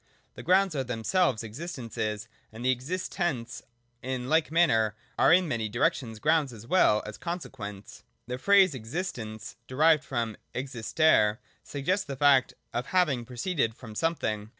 The grounds are themselves existences : and the existents in like manner are in many directions grounds as well as consequents. The phrase 'Existence' (derived from existere) suggests the fact of having proceeded from something.